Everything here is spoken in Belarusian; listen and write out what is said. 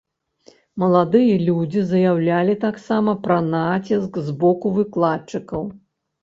Маладыя людзі заяўлялі таксама пра націск з боку выкладчыкаў.